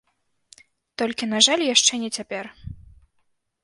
Толькі на жаль яшчэ не цяпер.